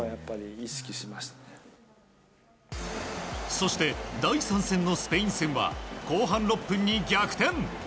そして、第３戦のスペイン戦は後半６分に逆転！